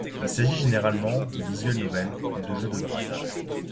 Il s'agit généralement de visual novels ou de jeux de drague.